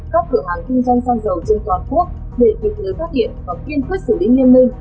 các cửa hàng kinh doanh xăng dầu trên toàn quốc để kịp lưới phát hiện và quyên quyết xử lý liên minh